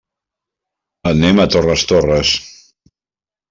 Anem a Torres Torres.